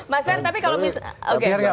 mas ferd tapi kalau misalnya